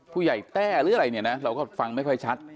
แต้หรืออะไรเนี่ยนะเราก็ฟังไม่ค่อยชัด